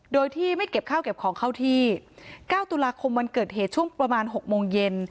โดยที่ไม่เก็บข้าวเก็บของเข้าที่๙ตุลาคมวันเกิดเหตุช่วงประมาณ๖โมงเย็น